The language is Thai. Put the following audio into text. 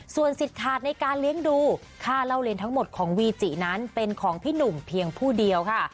ส่วนสิทธิ์ขาดในการเลี้ยงดูค่าเล่าเรียนทั้งหมดของวีจินั้นเป็นของพี่หนุ่มเพียงผู้เดียวค่ะ